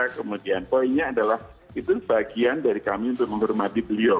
kemudian poinnya adalah itu bagian dari kami untuk menghormati beliau